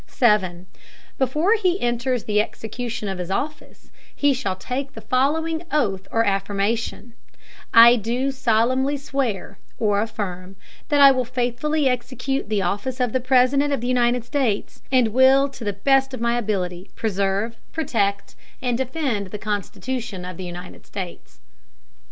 Before he enter on the Execution of his Office, he shall take the following Oath or Affirmation: "I do solemnly swear (or affirm) that I will faithfully execute the Office of President of the United States, and will to the best of my Ability, preserve, protect and defend the Constitution of the United States."